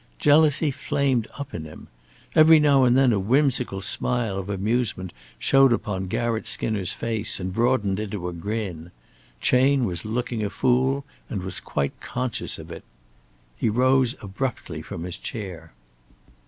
Jealousy flamed up in him. Every now and then a whimsical smile of amusement showed upon Garratt Skinner's face and broadened into a grin. Chayne was looking a fool, and was quite conscious of it. He rose abruptly from his chair.